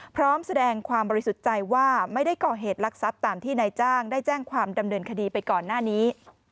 พร้อมแสดงความบริสุทธิ์ใจว่าไม่ได้ก่อเหตุลักษัพตามที่นายจ้างได้แจ้งความดำเนินคดีไปก่อนหน้านี้